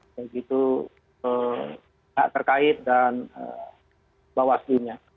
begitu tak terkait dan bawas dunia